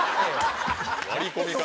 割り込み方。